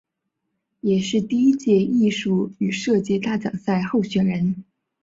也是第一届艺术与设计大奖赛候选人。